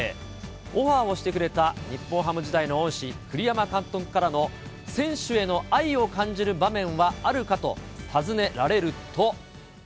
オファーをしてくれた日本ハム時代の恩師、栗山監督からの、選手への愛を感じる場面はあるかと尋ねられると。